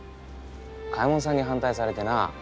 嘉右衛門さんに反対されてな。